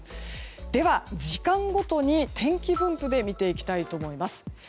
では、時間ごとに天気分布で見ていきたいと思います。